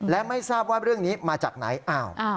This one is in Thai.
และไม่ทราบว่าเรื่องนี้มาจากไหน